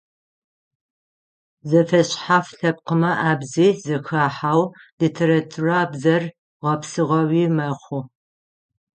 Зэфэшъхьаф лъэпкъымэ абзи зэхахьау литературабзэр гъэпсыгъэуи мэхъу.